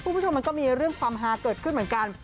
คุณผู้ชมมันก็มีเรื่องความฮาเกิดขึ้นเหมือนกัน